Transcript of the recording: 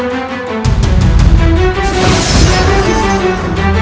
jangan usah berpijak